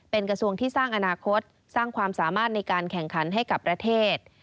เป็นกระทรวงที่สร้างอนาคตสร้างความสามารถในการแข่งขันให้กับประเทศ